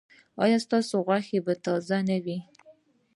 ایا ستاسو غوښه به تازه نه وي؟